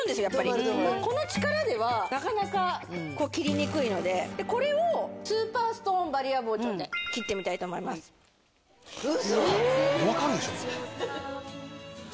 やっぱりこの力ではなかなか切りにくいのでこれをスーパーストーンバリア包丁で切ってみたいと思いますウソ！